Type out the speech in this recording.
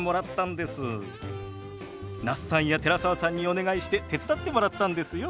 那須さんや寺澤さんにお願いして手伝ってもらったんですよ。